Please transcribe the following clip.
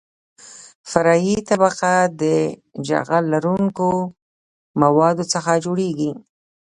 فرعي طبقه د جغل لرونکو موادو څخه جوړیږي